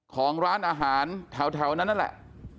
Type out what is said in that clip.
ของร้านอาหารแถวนั้นนั่นแหละ